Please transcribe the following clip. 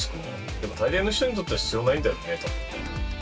でも大抵の人にとっては必要ないんだろうね多分ね。